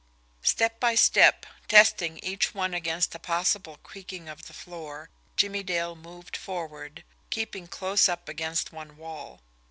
Step by step, testing each one against a possible creaking of the floor, Jimmie Dale moved forward, keeping close up against one wall.